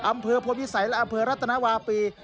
อำเภอพลพิสัยและอำเภอรัตนวาปี